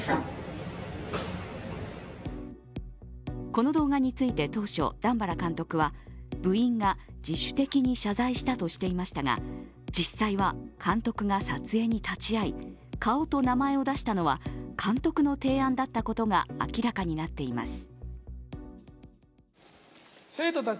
この動画について当初段原監督は部員が自主的に謝罪したとしていましたが実際は監督が撮影に立ち会い、顔と名前を出したのは監督の提案だったことが明らかになっています。